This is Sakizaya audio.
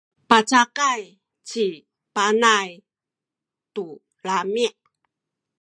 pacakay ci Panay tu lami’.